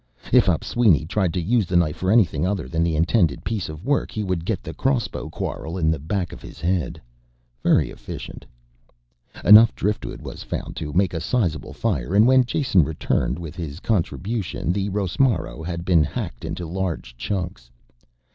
If Opisweni tried to use the knife for anything other than the intended piece of work, he would get the crossbow quarrel in the back of his head. Very efficient. Enough driftwood was found to make a sizable fire, and when Jason returned with his contribution the rosmaro had been hacked into large chunks.